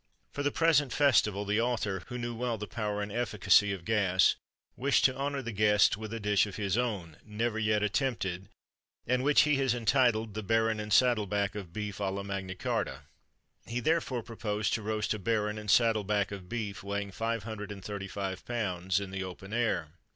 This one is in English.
For the present festival, the author, who knew well the power and efficacy of gas, wished to honour the guests with a dish of his own, never yet attempted, and which he has entitled the "Baron and Saddleback of Beef à la Magna Charta." He therefore proposed to roast a baron and saddleback of beef, weighing five hundred and thirty five pounds, in the open air.